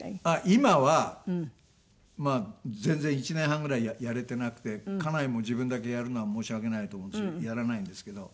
今は全然１年半ぐらいやれてなくて家内も自分だけやるのは申し訳ないと思うしやらないんですけど。